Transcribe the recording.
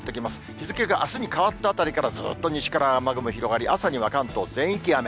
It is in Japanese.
日付があすに変わったあたりから、ずっと西から雨雲、広がり、朝には関東全域雨。